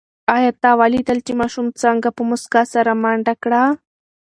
آیا تا ولیدل چې ماشوم څنګه په موسکا سره منډه کړه؟